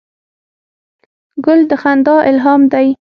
ګل د خندا الهام دی.